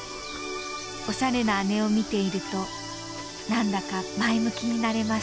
おしゃれな姉を見ていると何だか前向きになれました。